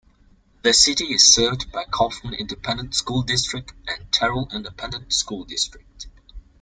The city is served by Kaufman Independent School District and Terrell Independent School District.